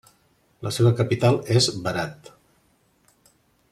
La seva capital és Berat.